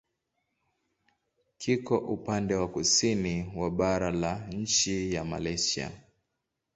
Kiko upande wa kusini wa bara la nchi ya Malaysia.